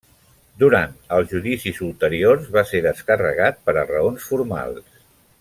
Durant els judicis ulteriors, va ser descarregat per a raons formals.